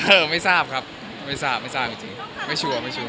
ไม่ทราบครับไม่ทราบไม่ทราบจริงไม่ชัวร์ไม่ชัวร์